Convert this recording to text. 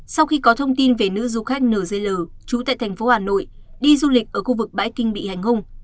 sau khi có thông tin về nữ du khách nờ dây lờ trú tại thành phố hà nội đi du lịch ở khu vực bãi kinh bị hành hung